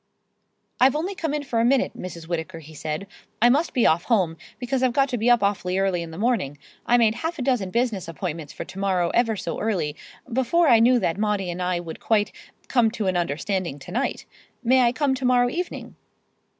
"I've only come in for a minute, Mrs. Whittaker," he said. "I must be off home, because I've got to be up awfully early in the morning. I made half a dozen business appointments for to morrow ever so early, before I knew that Maudie and I would quite come to an understanding to night. May I come to morrow evening?"